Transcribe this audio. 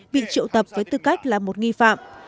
bị triệu tập với tư cách là một nghi phạm